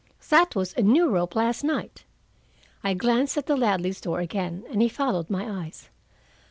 That was a new rope last night." I glanced at the Ladleys' door again, and he followed my eyes.